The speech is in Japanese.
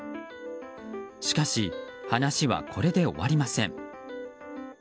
しかし、話はこれで終わりません。